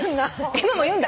今も言うんだ。